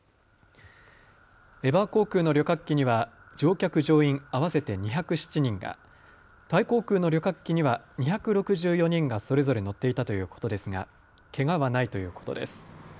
エバー航空の旅客機には乗客乗員合わせて２０７人が、タイ航空の旅客機には２６４人がそれぞれ乗っていたということですがけがはないということです。